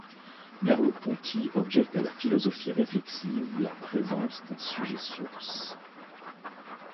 Merleau-Ponty objecte à la philosophie réflexive la présence d'un sujet-source.